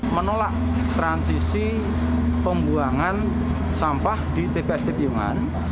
menolak transisi pembuangan sampah di tpst piyungan